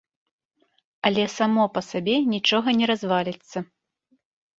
Але само па сабе нічога не разваліцца.